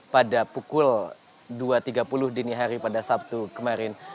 pada pukul dua tiga puluh dini hari pada sabtu kemarin